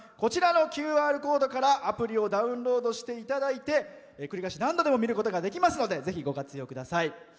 ＱＲコードからアプリをダウンロードしていただいて繰り返し何度でも見ることができますのでぜひご活用ください。